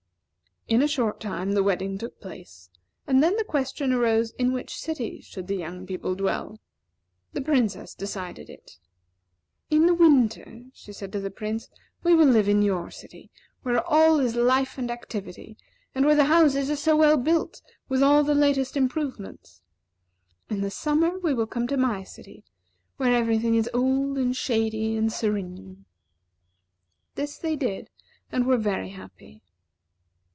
In a short time the wedding took place, and then the question arose in which city should the young couple dwell. The Princess decided it. "In the winter," she said to the Prince, "We will live in your city, where all is life and activity; and where the houses are so well built with all the latest improvements. In the summer, we will come to my city, where everything is old, and shady, and serene." This they did, and were very happy.